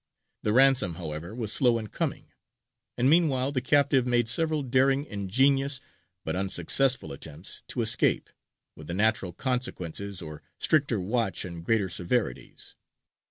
The ransom, however, was slow in coming, and meanwhile the captive made several daring, ingenious, but unsuccessful attempts to escape, with the natural consequences or stricter watch and greater severities.